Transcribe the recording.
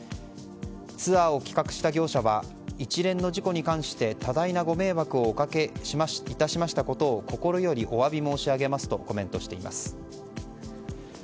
ツアーを企画した業者は一連の事故に関して多大なご迷惑をおかけいたしましたことを心よりお詫び申し上げますとコメントしています。